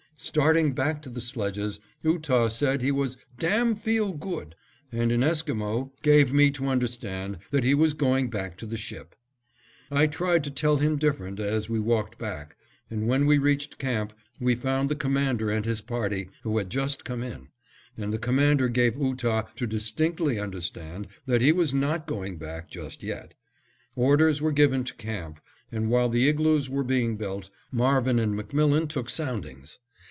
Starting back to the sledges, Ootah said he was "damn feel good," and in Esquimo gave me to understand that he was going back to the ship. I tried to tell him different, as we walked back; and when we reached camp we found the Commander and his party, who had just come in; and the Commander gave Ootah to distinctly understand that he was not going back just yet. Orders were given to camp, and while the igloos were being built, Marvin and MacMillan took soundings.